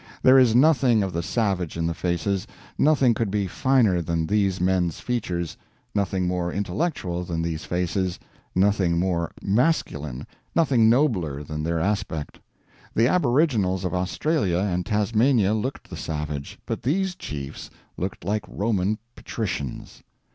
There is nothing of the savage in the faces; nothing could be finer than these men's features, nothing more intellectual than these faces, nothing more masculine, nothing nobler than their aspect. The aboriginals of Australia and Tasmania looked the savage, but these chiefs looked like Roman patricians.